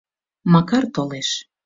Макар толеш.